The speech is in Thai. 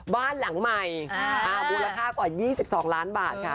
บ้านหลังใหม่อ่าอุตหกลัว๒๒ล้านบาทค่ะ